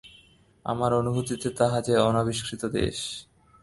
আমার অনুভূতিতে তাহা যে অনাবিষ্কৃত দেশ।